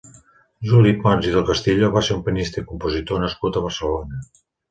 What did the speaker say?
Juli Pons i del Castillo va ser un pianista i compositor nascut a Barcelona.